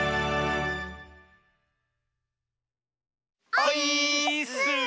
オイーッス！